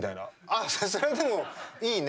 あっそれでもいいね。